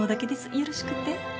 よろしくて？